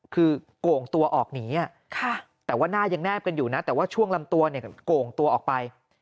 คือโก่งตัวออกหนีแต่ว่าหน้ายังแนบกันอยู่นะแต่ว่าช่วงลำตัวเนี่ยโก่งตัวออกไป